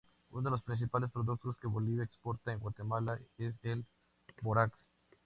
Uno de los principales productos que Bolivia exporta a Guatemala es el Bórax.